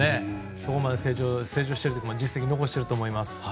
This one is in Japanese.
そこまで成長して実績も残していると思います。